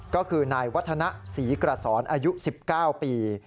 ก็คือนายวัฒนะศรีกระสอนอายุ๑๙ปี